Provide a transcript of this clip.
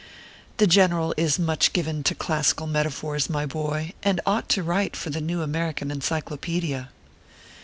The General is much given to classical metaphors, my boy, and ought to write for the new American Encyclopedia.